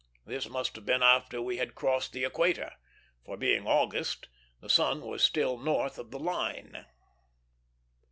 This must have been after we had crossed the equator; for, being August, the sun was still north of the "Line."